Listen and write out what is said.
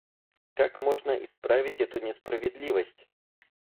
Как можно исправить эту несправедливость?